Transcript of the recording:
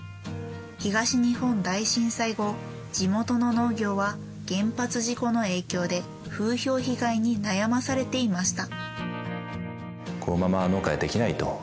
東日本大震災後地元の農業は原発事故の影響で風評被害に悩まされていました。